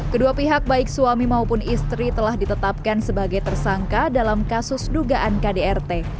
kedua pihak baik suami maupun istri telah ditetapkan sebagai tersangka dalam kasus dugaan kdrt